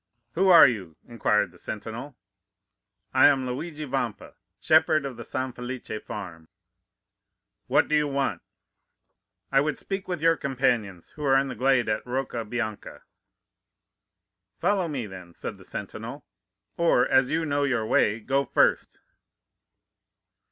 "'Who are you?' inquired the sentinel. "'I am Luigi Vampa, shepherd of the San Felice farm.' "'What do you want?' "'I would speak with your companions who are in the glade at Rocca Bianca.' "'Follow me, then,' said the sentinel; 'or, as you know your way, go first.